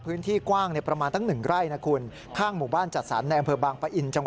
พื้นที่กว้างประมาณทั้ง๑ไร่